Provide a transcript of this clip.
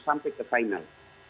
sampai ke final